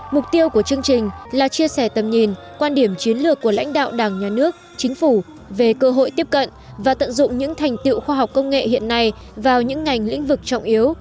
mục tiêu của chương trình là chia sẻ tầm nhìn quan điểm chiến lược của lãnh đạo đảng nhà nước chính phủ về cơ hội tiếp cận và tận dụng những thành tiệu khoa học công nghệ hiện nay vào những ngành lĩnh vực trọng yếu